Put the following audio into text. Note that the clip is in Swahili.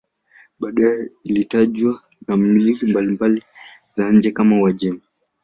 Baadaye ilitawaliwa na milki mbalimbali za nje kama Uajemi.